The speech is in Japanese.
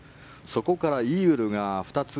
そこからイーグルが２つ。